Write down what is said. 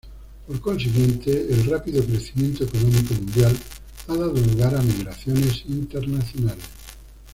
Por consiguiente, el rápido crecimiento económico mundial ha dado lugar a migraciones internacionales.